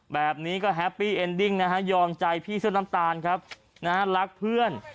แบบนี้ก็แฮปปี้เอ็นดิ้งนะฮะยอมใจพี่เสื้อน้ำตาลครับนะฮะรักเพื่อน